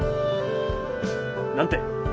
何て？